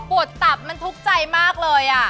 ปวดตับมันทุกข์ใจมากเลย